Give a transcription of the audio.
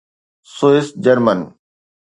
Swiss German